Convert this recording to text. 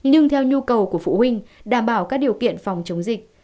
nhưng theo nhu cầu của phụ huynh đảm bảo các điều kiện phòng chống dịch